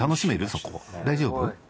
そこ大丈夫？